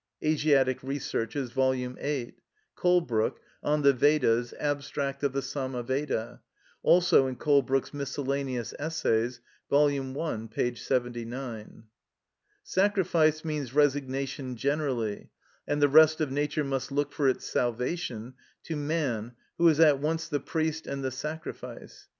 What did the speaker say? (Asiatic Researches, vol. viii.; Colebrooke, On the Vedas, Abstract of the Sama Veda; also in Colebrooke's Miscellaneous Essays, vol. i. p. 79.) Sacrifice means resignation generally, and the rest of nature must look for its salvation to man who is at once the priest and the sacrifice.